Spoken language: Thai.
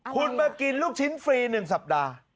คุณมากินลูกชิ้นฟรี๑สัปดาห์